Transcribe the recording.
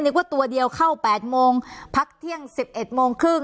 นึกว่าตัวเดียวเข้าแปดโมงพักเที่ยงสิบเอ็ดโมงครึ่ง